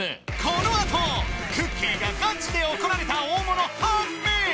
このあとくっきー！がガチで怒られた大物判明！